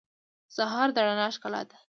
سهار د رڼا ښکلا ده.